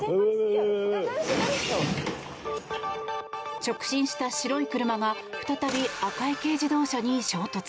直進した白い車が再び、赤い軽自動車に衝突。